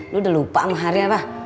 lu udah lupa mah hari apa